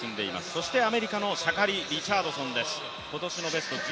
そしてアメリカのシャカリ・リチャードソンです。